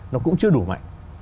nó cũng chưa đủ mạnh